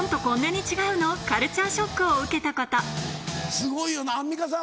すごいよなアンミカさん